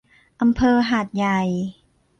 อำเภอหาดใหญ่